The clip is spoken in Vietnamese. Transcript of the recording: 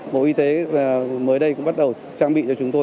bộ y tế mới đây cũng bắt đầu trang bị cho chúng tôi